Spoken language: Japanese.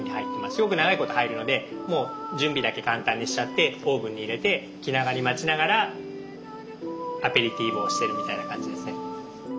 すごく長いこと入るのでもう準備だけ簡単にしちゃってオーブンに入れて気長に待ちながらアペリティーボをしてるみたいな感じですね。